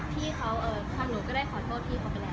พี่เขาคำหนูก็ได้ขอโทษพี่เขาไปแล้วค่ะ